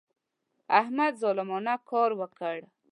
احمد ظالمانه کار وکړ.